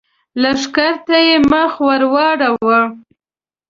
لښکر ته يې مخ ور واړاوه!